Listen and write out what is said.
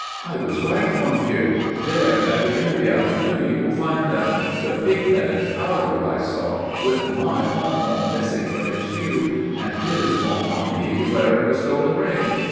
"I was right, mon vieux! There at the end of the Avenue you will find them. The pig headed prowler I saw, with my pompon missing from his shoe, and his bonne amie wearing the stolen ring.